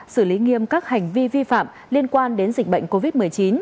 xử lý nghiêm các hành vi vi phạm liên quan đến dịch bệnh covid một mươi chín